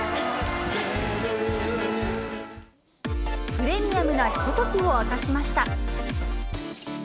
プレミアムなひとときを明かしました。